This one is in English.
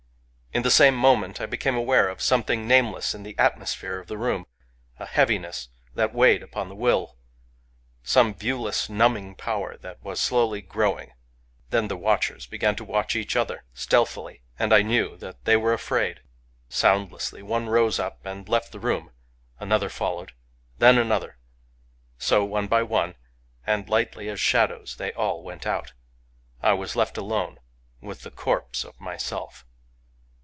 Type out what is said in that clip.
"In the same moment I became aware of some thing nameless in the atmosphere of the room, — a heaviness that weighed upon the will, — some viewless numbing power that was slowly growing. Then the watchers began to watch each other, stealthily; and I knew that they were afraid. Soundlessly one rose up, and left the room. Another followed; then another. So, one by oiie, and lightly as shadows, they all went out I was left alone with the corpse of myself.